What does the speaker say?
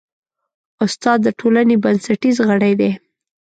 استاد د ټولنې بنسټیز غړی دی.